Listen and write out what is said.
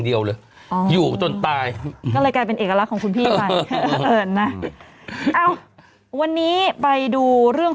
เดียวเลยอยู่จนตายก็เลยกลายเป็นเอกลักษณ์ของคุณพี่ไปนะเอ้าวันนี้ไปดูเรื่อง